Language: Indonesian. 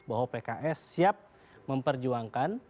bahwa pks siap memperjuangkan